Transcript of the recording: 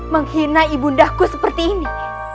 menghina ibu nda ku seperti ini